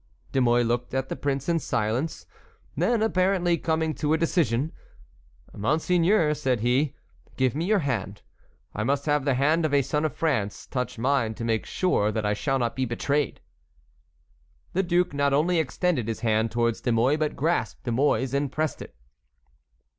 De Mouy looked at the prince in silence. Then apparently coming to a decision: "Monseigneur," said he, "give me your hand. I must have the hand of a son of France touch mine to make sure that I shall not be betrayed." The duke not only extended his hand towards De Mouy, but grasped De Mouy's and pressed it.